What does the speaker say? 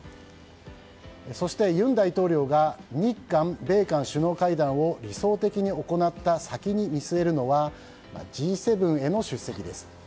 そして、尹大統領が日韓、米韓首脳会談を理想的に行った先に見据えるのはＧ７への出席です。